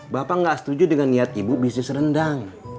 bapak nggak setuju dengan niat ibu bisnis rendang